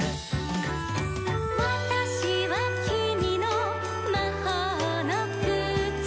「『わたしはきみのまほうのくつ』」